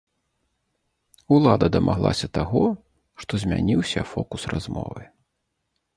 Улада дамаглася таго, што змяніўся фокус размовы.